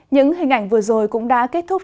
những hình ảnh vừa rồi cũng đã kết thúc